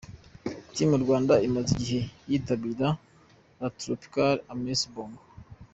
Team Rwanda imaze igihe yitabira La Tropicale Amissa Bongo.